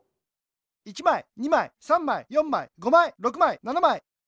１まい２まい３まい４まい５まい６まい７まい。